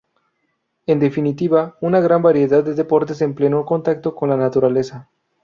En definitiva, una gran variedad de deportes en pleno contacto con la naturaleza.